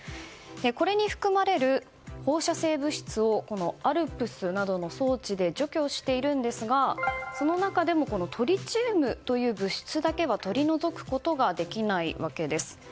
これに含まれる放射性物質をＡＬＰＳなどの装置で除去しているんですがその中でもトリチウムという物質だけは取り除くことができないわけです。